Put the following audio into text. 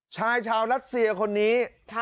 ชายชาวรัสเซียคนนี้